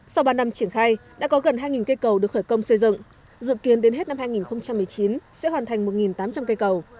sau ba năm triển khai đã có gần hai cây cầu được khởi công xây dựng dự kiến đến hết năm hai nghìn một mươi chín sẽ hoàn thành một tám trăm linh cây cầu